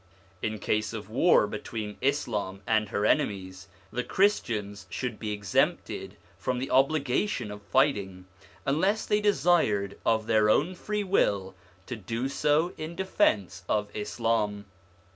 In case of war between Islam and her enemies, the Christians should be exempted from the obligation of fighting, unless they desired of their own free will to do so in defence of Islam.